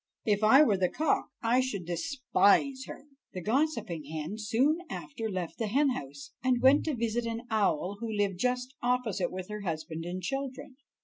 If I were the cock, I should despise her." The gossiping hen soon after left the hen house, and went to visit an owl who lived just opposite with her husband and children.